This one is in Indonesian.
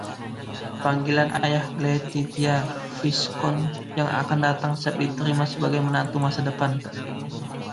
Panggilan ayah Letitia, Viscount yang akan datang siap diterima sebagai menantu masa depan.